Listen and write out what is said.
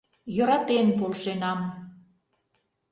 Йӧратен полшенам...